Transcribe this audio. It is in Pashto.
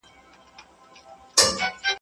په عزت یې وو دربار ته وربللی.